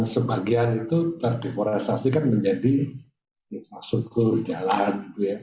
sebagian itu terdeforestasi menjadi maksud kur jalan